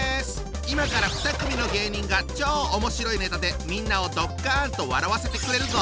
今から２組の芸人が超おもしろいネタでみんなをドッカンと笑わせてくれるぞ！